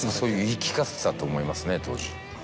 言い聞かせてたと思いますね当時。